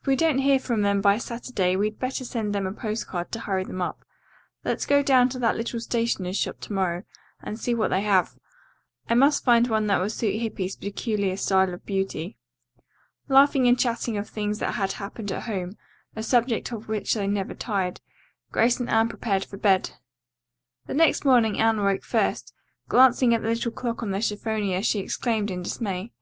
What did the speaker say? "If we don't hear from them by Saturday we'd better send them a postcard to hurry them up. Let's go down to that little stationer's shop to morrow and see what they have. I must find one that will suit Hippy's peculiar style of beauty." Laughing and chatting of things that had happened at home, a subject of which they never tired, Grace and Anne prepared for bed. The next morning Anne awoke first. Glancing at the little clock on the chiffonier she exclaimed in dismay.